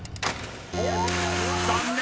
［残念！